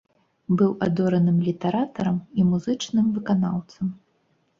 Быў адораным літаратарам і музычным выканаўцам.